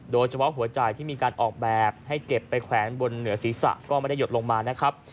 โดยเฉพาะหัวจ่ายที่มีการออกแบบให้เก็บไปแขวนบนเหนือศรีษะก็ไม่ได้หยดลงมา